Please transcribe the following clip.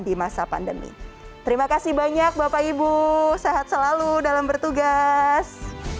dan banyak bapak ibu sehat selalu dalam bertugas